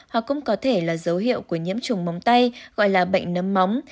hoặc cũng có thể là dấu hiệu của nhiễm trùng móng tay gọi là bệnh nấm móng